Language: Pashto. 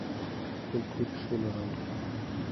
خپل کور کې سوله راولئ.